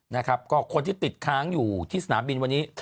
นะครับก็คนที่ติดค้างอยู่ที่สนามบินวันนี้